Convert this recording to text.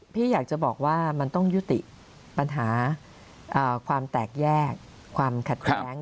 พี่อยากจะบอกว่ามันต้องยุติปัญหาความแตกแยกความขัดแย้ง